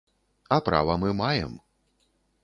А права мы маем.